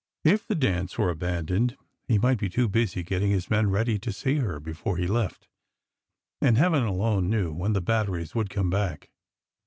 If the dance were abandoned, he might be too busy getting his men ready to see her before he left; and heaven alone knew when the batteries would come back.